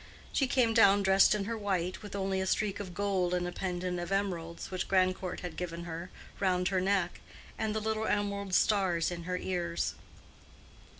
She came down dressed in her white, with only a streak of gold and a pendant of emeralds, which Grandcourt had given her, round her neck, and the little emerald stars in her ears.